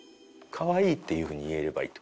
「かわいい」っていうふうに言えればいいって事。